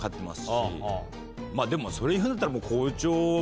まぁでもそれ言うんだったら。